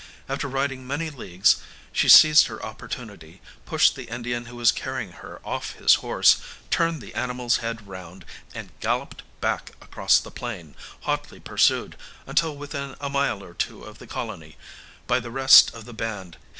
After riding many leagues, she seized her opportunity, pushed the Indian who was carrying her off his horse, turned the animal's head round, and galloped back across the plain, hotly pursued, until within a mile or two of the colony, by the rest of the band.